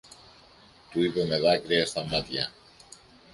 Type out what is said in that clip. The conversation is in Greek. του είπε με δάκρυα στα μάτια.